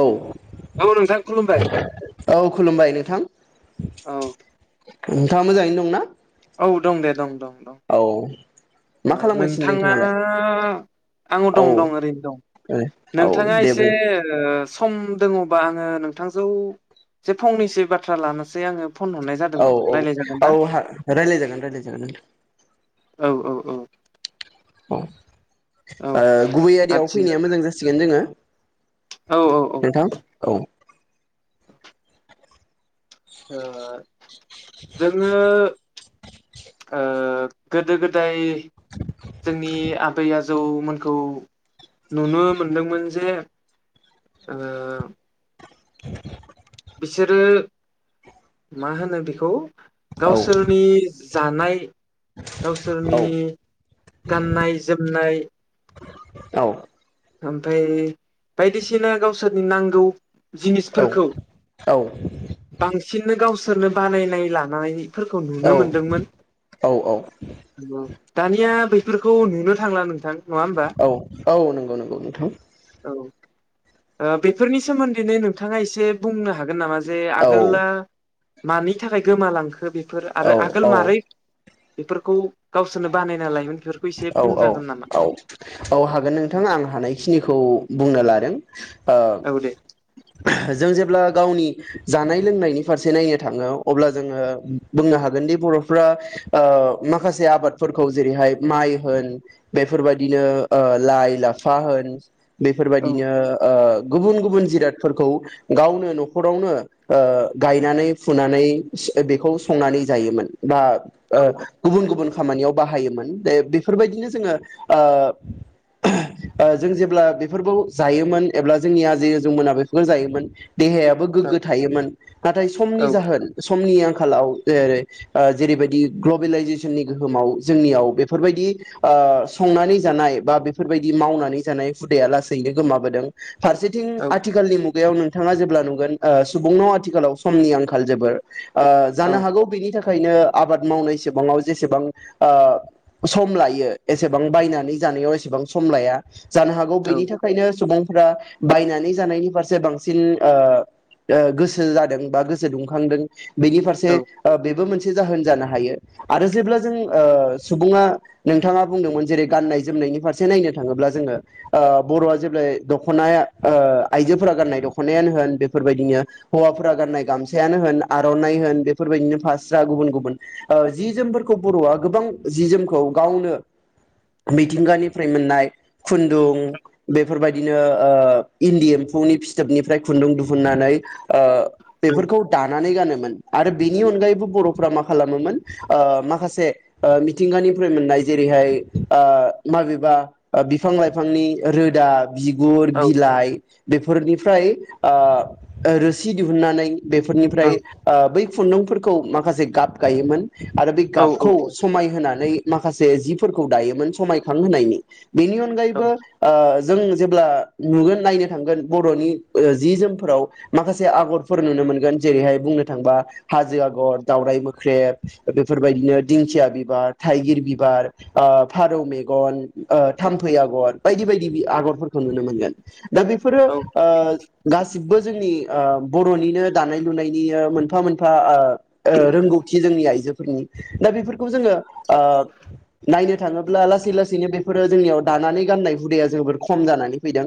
औ। औ नोंथां खुलुमबाय औ खुलुमबाय नोंथां। औ नोंथाङा मोजाङैनो दंना? औ दं दे दं दं। औ। अ मा खालामगासिनो नोंथाङा नोंथाङालाय आं औ दं दं ओरैनो दं औ नोंथाङा दे एसे बुं ओ सम दंङोबा आङो नोंथांजौ जे फंनैसो बाथ्रा लानोसै आङो फन हरनाय औ जादोंमोन औ रायज्लाय जागोन औ ना हा रायलाय जागोन रायलाय जागोन नोंथां औ औ औ। औ। औ ओ गुबै आयदायाव आदसा फैनाया मोजां जासिगोन जोंङो। औ औ औ ओ नोंथां औ। ओ जोंङो ओ गोदो गोदाय जोंनि आ बै आजौमोनखौ नुनो मोनदोंमोन जे ओ बिसोरो मा होनो बेखौ औ गावसोरनि जानाय गावसोरनि गाननाय जोमनाय औ ओमफाय बायदिसिना गावसोरनि नांगौ औ जिनिसफोरखौ औ बांसिननो गावसोरनो बानायनाय लानायफोरखौ नुनो मोनदोंमोन औ दानिया बैफोरखौ नुनो थांला नोंथां नङा होमबा? औ औ नंगौ नंगौ नोंथां औ। ओ बेफोरनि सोमोन्दैनो नोंथाङा एसे बुंनो हागोन नामा जे औ आगोला मानि थाखाय गोमालांखो बेफोर औ आरो आगोल औ मारै बेफोरखौ गावसोरनो बानायना लायोमोन बेफोरखौ एसे औ बुंजागोन नामा? औ औ हागोन नोंथां आं हानायखिनिखौ बुंनो लादों। ओ औ दे। जों जेब्ला गावनि जानाय लोंनायनि फारसे नायनो थांङो अब्ला जोंङो बुंनो हागोनदि बरफ्रा ओ माखासे आबादफोरखौ जेरैहाय माइ होन बेफोरबायदि बिलो ओ लाय लाफा होन बेफोरबायदिनो औ ओ गुबुन गुबुन जिरादफोरखौ गावनो नखरावनो ओ गायनानै फुनानै बेखौ संनानै जायोमोन। बा ओ गुबुन गुबुन खामानियाव बाहायोमोन दे बेफोरबायदिनो जोङो। ओ जों जेब्ला बेफोरखौ जायोमोन एब्ला जोंनि आजै आजौ मोना बेफोरफोरखौ जायोमोन। देहायाबो गोग्गो थायोमोन नाथाय समनि जाहोन। खमनि आंखालाव जेरै ओ जेरैबायदि ग्लबेलाइजेसननि गोहोमाव जोंनियाव बेफोरबायदि ओ। संनानै जानाय बा बेफोरबायदि मावनानै जानाय हुदाया लासैनो गोमाबोदों। फारसेथिं आथिखालनि मुग बेयाव नोंथाङा जेब्ला नुगोन ओ सुबुंनाव आथिखालाव समनि आंखाल जोबोर ओ जानो हागौ बेनि थाखा खायनो आबाद मावनायसेबांङाव जेसेबां ओ सम लायो एस सेबां बायनानै जानायाव एसेबां सम लाया। जानो हागौ बेनि थाखायनो सुबुं फोरा बायनानै जानायनि फारसे बांसिन ओ ओ गोसो जादों बा गोसो दुंखांदों। बिनि फारसे‌ ओ बेबो मोनस से जाहोन जानो हायो आरो जेब्ला जों ओ सुबुङा नोंथाङा बुंदोंमोन जेरै गाननाय जोमनायनि फारसे नायनो थाङोब्ला जोङो ओ बर'आ जेब्लाय दख'ना ओ आइजोफोरा गाननाय दख'नायानो होन बेफोरबायदिनो हौवाफोरा गाननाय गामसायानो होन आर'नाइ होन बेफोरबायदिनो फास्रा गुबुन गुबुन ओ जि जोमफोरखौ बर'आ गोबां जि जोमखौ गावनो मिथिंगानिफ्राय मोननाय खुन्दुं बेफोरबायदि दिनो ओ इन्दि एम्फौनि फिथोबनिफ्राय खुन्दुं दिहुननानै ओ बेफोरखौ दानानै गानो मोन आरो बेनि अनगायैबो बर'फ्रा मा खालामोमोन ओ माखासे ओ मिथिंगानिफ्राय मोननाय जेरैहाय ओ माबेबा ओ बिफां लाइफांनि रोदा बिगुर बिलाइ बेफोरनिफ्राय ओ रोसि दिहुननानै बेफोरनिफ्राय ओ बै खुन्दुंफोरखौ माखासे गाब गायोमोन। आरो बे गाबखौ समायहोनानै माख खासे जिफोरखौ दायोमोन समायखां होनायनि। बेनि अनगायैबो ओ जों जेब्ला नुगोन नायनो थांगोन बर'नि ओ जि जोमफोराव माखासे आगरफोर नुनो मोनगोन जेरैहाय बुंनो थांबा हाजो आगर दावराय मोख ख्रेब बेफोरबायदिनो दिंखिया बिबार थाइगिर बिब बार ओ फारौ मेगन ओ थाम्फै आगर बायदि बायदि बि आगरफोरखौ नुनो मोनगोन दा बेफोरो ओ गासिबबो जोंनि ओ बर'निनो दानाय लुनायनि ओ मोनफा मोनफा ओ ओ रोंगौथि जोंनि आइजो उम दा बेफोरखौ जोङो ओ नायनो थाङोब्ला लासै लासैनो बेफोरो जोंनियाव दानानै गाननाय हुदाया जोबोर खम जानानै फैदों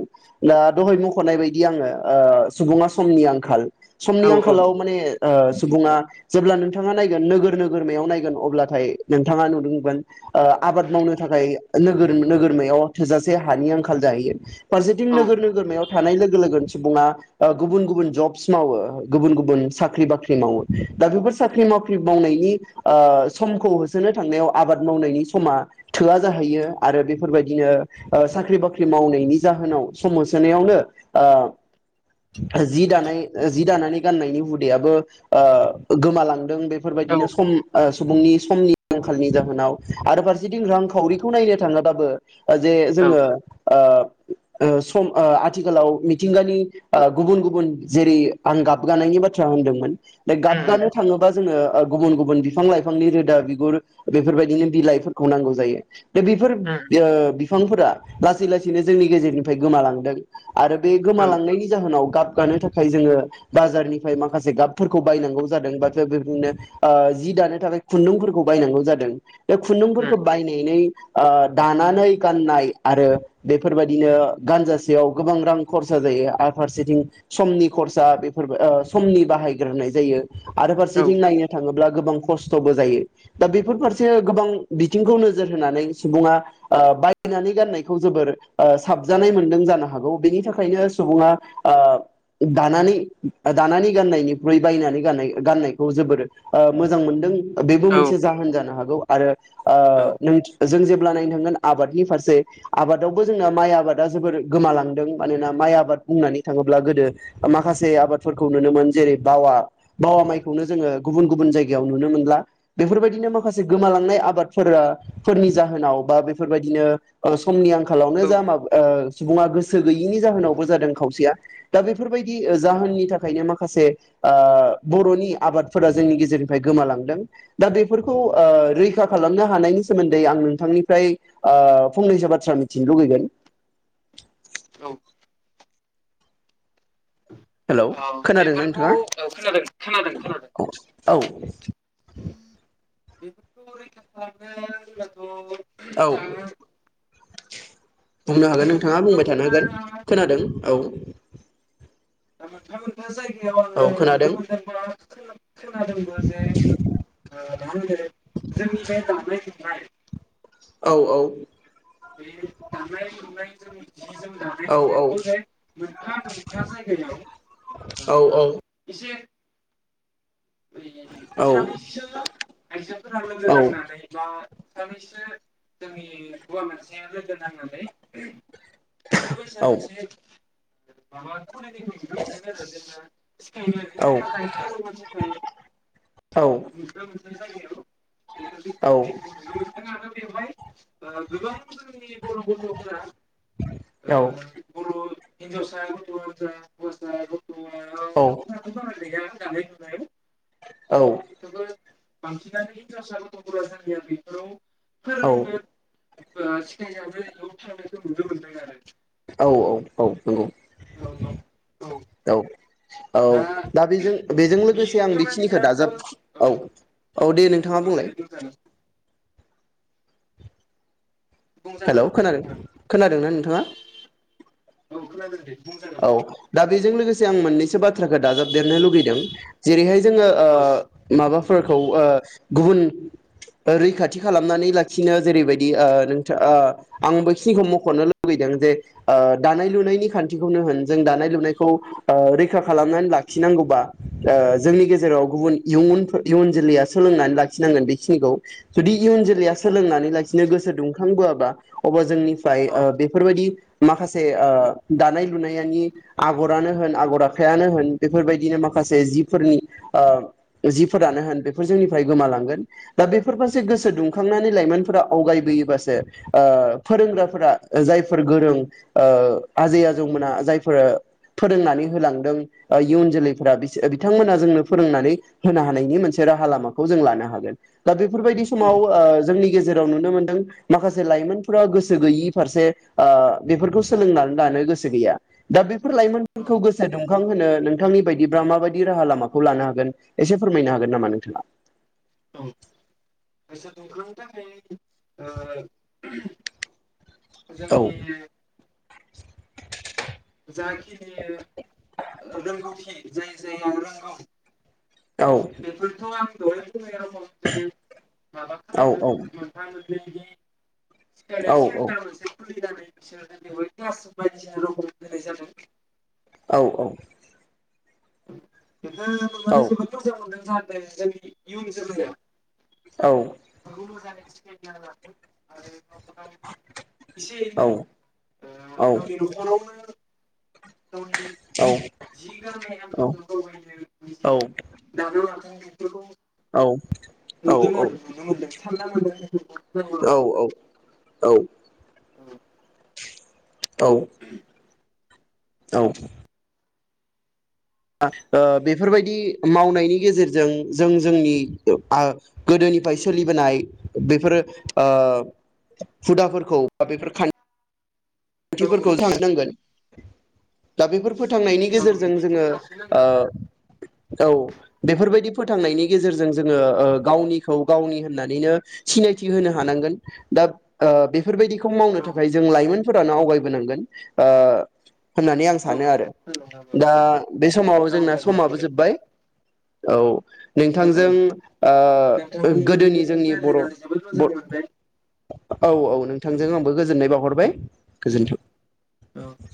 दा दहाय मख'नाय बायदि आङो ओ सुबुङा समनि आंखाल समनि आंखालाव माने ओ सुबुङा जेब्ला नोंथाङा नायगोन नोगोर नोगोरमायाव नायगोन अब्लाथाय नोंथाङा नुनोमोनगोन ओ आबाद मावनो थाखाय नोगो नोगोरमायाव थोजासे हानि आंखाल जायो। फारसेथिं नोगोर नोगोरमायाव थानाय लोगोन सुबुंङा गुबुन गुबुन जबस मावो गुबुन गुबुन साख्रि बाख्रि मावो दा बेफोर साख्रि मावख्रि मावनायनि ओ समखौ होसोनो थांनायाव आबाद मावनायनि समा थोआ जाहैयो आरो बेफोरबायदिनो ओ साख्रि बाख्रि मावनायनि जाहोनाव सम होसोनाया लानो ओ जि दानाय जि दानानै गाननाय हुदायाबो ओ गोमालां दों बेफोरबायदिनो सम ओ सुबुंनि समनि आंखालनि जा होनाव आरो फारसेथिं रांखावरिखौ नायनो थाङोबाबो जे जोङो ओ ओ सम ओ आथिखालाव मिथिंगानि ओ गुबुन गुबुन जेरै आं गाबगानायनि बाथ्रा होनदोंमोन। बे गाबगानोनो थाङोबा जोङो गुबुन गुबुन बिफां लाइफांनि रोदा बिगुर बेफोरबायदिनो बिलाइफोरखौ नांगौ जायो। बेफोर ओ बिफांफोरा लासै लासैनो जोंनि गेजेरनिफ्राय गोमालांदों। आरो बे गोमालांनायनि जाहोनाव गाब गानो थाखाय जोङो बाजारनिफ्राय माखासे गाबफोरखौ बायनांगौ जादों बा बेबादिनो ओ जि दानो थाखाय खुन्दुंफोरखौ बायनांगौ जादों। [unintelligible] बे खुन्दुंफोरखौ बायनायनै ओ दानानै गाननाय आरो बेफोरबायदिनो गानजासेयाव गोबां रां खरसा जायो आर फारसेथिं समनि खरसा बेफोर ओ समनि बाहायग्रोनाय जायो। आरो फारसेथिं नायनो थाङोब्ला गोबां खस्थ'बो जायो दा बेफोर गोबां बिथिंखौ नोजोर होनानै सुबुङा ओ बायनानै गाननायखौ जोबोर साबजानाय मोनदों जानो हागौ बेनि थाखायनो सुबुङा ओ दानानै दानानै गाननायनिख्रुइ बायनानै गाननाय गाननायखौ जोबोर मोजां ओ मोनदों। बेबो मोनसे जाहोन जानो हाग गौ आरो ओ नों जों जे ब्ला नायनो थांगोन आबादनि फारसे आबादावबो जोंना माइ आबादा जोबोर गोमालांदों मानोना माइ आबाद बुंनानै थाङोब्ला गोदो माखासे आबादफोरखौ नुनोमोन जेरै बावा बावा माइखौनो जोङो गुबुन गुबुन जायगायाव नुनो मोनला बेफोरबायदिनो माखासे गोमालांनाय आबादफोरा फोरनि जाहोनाव बा बेफोरबायदिनो समनि आंखालावनो जा मा ओ सुबुङा गोसो गैयिनि जाहोनावबो जादों खावसेया दा बेफोरबायदि जाहोननि थाखायनो माखासे आ बर'नि आबादफोरा जोंनि गेजेरनिफ्राय गोमालांदों दा बेफोर खौ रैखा खालामनो हानायनि सोमोन्दै आं नोंथांनिफ्राय ओ फंनैसो बाथ्रा मिथिनो लुबैगोन। ओ, हेलौ औ खोनादोंना बेफोरखौ नोंथाङा खोनादों खोनादों खोनादों। औ बेफोरखौ रैखा खालामनो जायोब्लाथ' औ [inaudible] बुंनो हागोन जोङो नोंथाङा मोनफा बुंबाय थानो मोनफा हागोन खोनादों औ ओ मोनफा मोनफा जायो औ खोनादों खोनादोंबो जे ओ, मा होनगो जोंनि बे दामनाय लुनाय औ औ बे दानाय लुनायजों जि जोम दानाय औ लुनायखौ जे मोनफा मोनफा जायगायाव औ ओ एसे औ [unintelligible] सानैनसो आइजोफोरा लोगो औ औ नांनानै बा सानैसो जोंनि हौवा मानसेया लोगो नांनानै बेफोर बायसा औ मोनसे माबा फरायनायखौ नुनो मोनदों आरो जेब्ला सिखायनो थाखाय फोरोंनो थाखाय नुदों गुबुन जायगायाव बेफोरदि फरायनायखौ नुनो मोन्दों बेवहाय ओ गोबां जोंनि बर' गथ'फोरा ओ बर' हिन्जावसाया गथ'फोर जा हौवासा गथ' औ फैनानै नुनाय थबो बांसिनानो हिनावसा गथ'फोरा जोंनिया बेफोराव फोरोंनो ओ सिखायजानो बेयाव थांनो जों नुनो मोनदों आरो औ औ औ नंगौ औ नंगौ औ औ दा बेजों बेजों लोगोसे आं बेखिनिखौ खामानियाथ' औ दाजाब औ औ दे नोंथाङा दे बुंलाय दे बुंजागोन बुंजागोन हेलौ नोंथां खोनादों खोनादोंना नोंथाङा? औ खोनादों दे बुंजागोन औ दा बि- बेजों लोगोसे आं मोननैसो बाथ- बाथ्राखौ दाजाबदेरनो लुुबैदों जेरैहाय जोङो ओ औ माबाफोरखौ ओ गुबुन रैखाथि खालामनानै लाखिनो जेरैबायदि ओ‌ नोंथाङ ओ आं बैखिनिखौ मख'नो लुुबैदों जे ओ दानाय लुनायनि खान्थि खौनो होन जों दानाय लुनायखौ ओ रैखा खालामनानै लाखिनांगौबा ओ जोंनि गेजेराव गुबुन इयुनफो इयुन जोलैया सोलोंनानै लाखिनांगोन बेखिनिखौ जुदि इयुन जोलैया सोलोंनानै लाखिनो गोसो दुंखांबोआबा अब्ला जोंनि- फ्राइ ओ‌ बेफोरबायदि- माखासे ओ दानाय लुनायनि आगरानो होन आगर आखायानो होन बेफोरबायदिनो माखासे जिफोरनि ओ जिफोरानो होन बेफोर जोंनिफ्राय गोमालांगोन दा बेफोर फारसे गोसो दुंखांनानै लाइमोनफोरा आवगायबोयोबासो ओ फोरोंग्राफोरा जायफोर गोरों ओ आजै आजौमोना जायफोर फोरोंनानै होलांदों इयुन जोलैफोरा बिसो बिथांमोनहा जोंनो फोरोंनानै होनो हानायनि मोनसे राहा लामाखौ जों लानो हागोन दा बे बेफोरबायदि समाव ओ जोंनि गेजेर जेराव नुनो‌ मोनदों माखासे लाइमोनफोरा गोसो गैयि फारसे ओ बेफोरखौ सोलोंना लानो गोसो गैया दा बे फोर लाइमोनफोरखौ गोसो दुंखां होनो नोंथांनि बायदिब्ला माबायदि राहा लामाखौ लानो हागोन एसे फोरमायनो हागोन नामा नोंथाङा? औ‌ गोसो दुंखांनो थाखाय ओ औ जोंनि जाखिनि रोंगौथि जाय जाया रोंगौ औ द [unintelligible] जोंनि सिखायनाइ औ औ सेलथा‌‌ मोनसे खुलि [unintelligible] होनाय जादों औ औ [inaudible] औ [unintelligible] [unintelligible] औ [unintelligible] गाव गावनो एसे औ एनै ओ गावनि न'खरावनो गावनि जि गारनाय [unintelligible] नों बेफोरखौ औ औ औ द थानना मोन औ औ औ औ औ औ ओ बेफोरबायदि मावनायनि गेजेरजों जों जोंनि गोदोनिफ्राय सोलिबोनाय बेफोर हुदाफोरखौ बा बेफोर खान्थि। औ खथिफोरखौ जाबनांगोन। दाबिफोर फोथांनायनि गेजेरजों जोङो बेबायदिनो लाखिनांगौ ओ औ बेफोरबायदि। फोथांनायनि गेजेरजों जोंङो गावनिखौ गावनि होननानैनो सिनायथि होनो हानांगोन दा बेफोरबायदिखौ। खौ मावनो औ थाखाय जों लाइमोन। फोरानो आवगायबोनांगोन होननानै आं औ सानो आरो लानांगौ दा बे समाव औ जोंना नंगौ समाबो जोब्बाय। औ औ औ नोंथांजों गोदोनि नोंथांनिसिम जोंनि बर रायज्लायनानै जोबोद मोजां मोनबाय औ-औ नोंथांजों आंबो गोजोननाय बावहरबाय। गोजोन्थों। औ